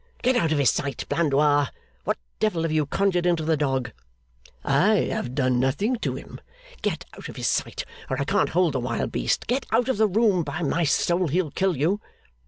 Get out of his sight, Blandois! What devil have you conjured into the dog?' 'I have done nothing to him.' 'Get out of his sight or I can't hold the wild beast! Get out of the room! By my soul, he'll kill you!